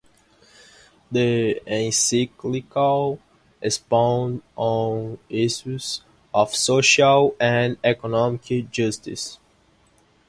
The encyclical expounds on issues of social and economic justice.